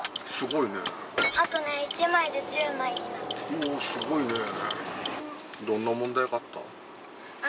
お、すごいねえ。